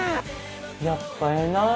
やっぱええなぁ